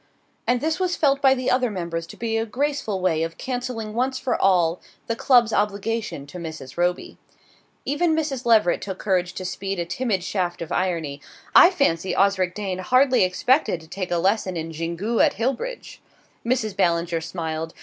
And this was felt by the other members to be a graceful way of cancelling once for all the club's obligation to Mrs. Roby. Even Mrs. Leveret took courage to speed a timid shaft of irony. "I fancy Osric Dane hardly expected to take a lesson in Xingu at Hillbridge!" Mrs. Ballinger smiled.